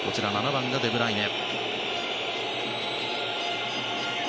７番がデブライネ。